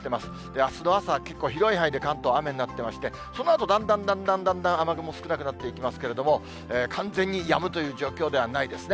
あすの朝、結構広い範囲で関東、雨になってまして、そのあと、だんだんだんだん雨雲、少なくなっていきますけれども、完全にやむという状況ではないですね。